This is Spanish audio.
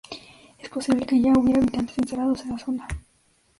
Es posible que ya hubiera habitantes instalados en la zona.